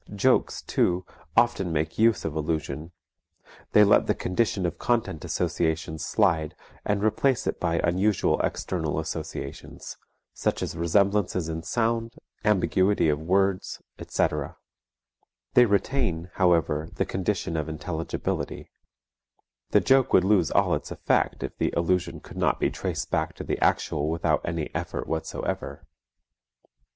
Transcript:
Jokes, too, often make use of allusion; they let the condition of content associations slide and replace it by unusual external associations, such as resemblances in sound, ambiguity of words, etc. They retain, however, the condition of intelligibility; the joke would lose all its effect if the allusion could not be traced back to the actual without any effort whatsoever.